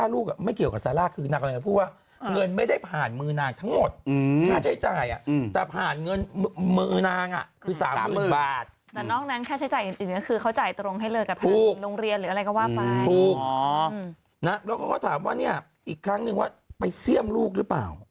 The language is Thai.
แล้วก็ถามว่าเนี่ยอีกครั้งนึงว่าไปเสี่ยมลูกหรือเปล่า